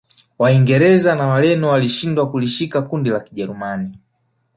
Waingereza na Wareno walishindwa kulishika kundi la Kijerumani